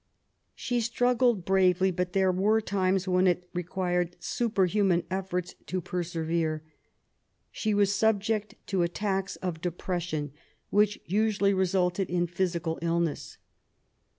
She struggled bravely, but there were times when it required superhuman efforts to persevere. She was subject to attacks of depression which usually resulted in physical illness.